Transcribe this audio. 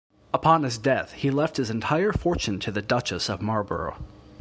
Upon his death, he left his entire fortune to the Duchess of Marlborough.